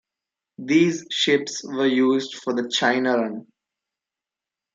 These ships were used for the China run.